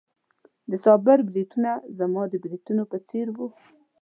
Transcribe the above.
د صابر بریتونه زما د بریتونو په څېر وو.